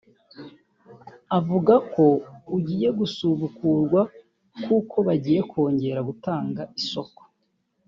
Avuga ko ugiye gusubukurwa kuko bagiye kongera gutanga isoko